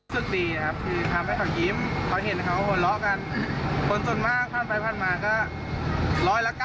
สุดดีนะครับคือทำให้เขายิ้มเพราะเห็นเขาหัวเราะกัน